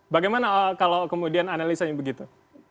bagaimana kalau kemudian analisanya begitu